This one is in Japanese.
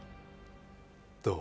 どう？